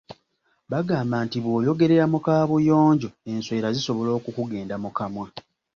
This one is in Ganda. "Bagamba nti bw’oyogerera mu kaabuyonjo, enswera zisobola okukugenda mu kamwa."